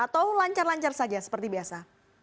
atau lancar lancar saja seperti biasa